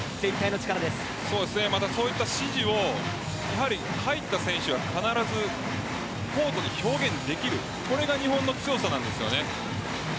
そういった指示を入った選手が必ずコートで表現できるこれが日本の強さなんです。